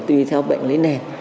tùy theo bệnh lý nền